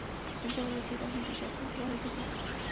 আমি যা বলেছি তা মন্ত্রী সাহেবকে বলে দিবি?